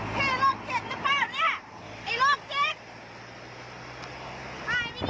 เธอโรคเจ็ดนะครับเนี่ย